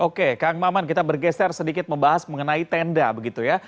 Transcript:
oke kang maman kita bergeser sedikit membahas mengenai tenda